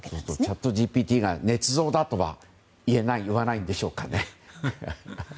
チャットＧＰＴがねつ造だとは言えない言わないんでしょうかね？